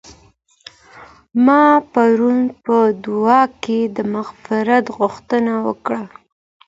ما پرون په دعا کي د مغفرت غوښتنه وکړه.